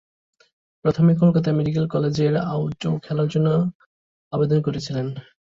প্রথমে কলকাতা মেডিক্যাল কলেজে এর আউটডোর খোলার জন্যে আবেদন করেছিলেন।